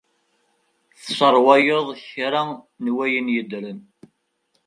Tesseṛwayeḍ kra n wayen yeddren.